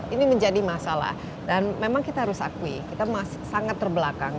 ini menjadi masalah dan memang kita harus akui kita sangat terbelakang